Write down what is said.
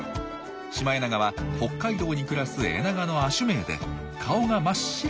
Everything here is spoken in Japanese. シマエナガは北海道に暮らすエナガの亜種名で顔が真っ白なのが特徴なんですよ。